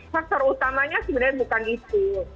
faktor utamanya sebenarnya bukan itu